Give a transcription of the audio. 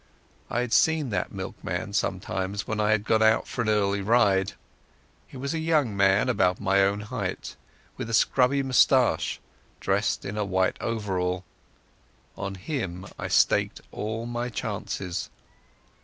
I had seen that milkman sometimes when I had gone out for an early ride. He was a young man about my own height, with an ill nourished moustache, and he wore a white overall. On him I staked all my chances.